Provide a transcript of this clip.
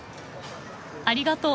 ありがとう。